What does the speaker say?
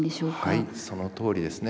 はいそのとおりですね。